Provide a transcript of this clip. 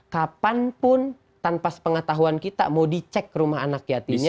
kapan pun tanpa pengetahuan kita mau dicek rumah anak yatimnya